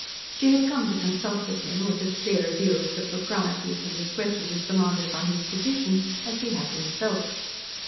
She had come to consult with him with as clear a view of the proprieties and discretions demanded by his position as he had himself.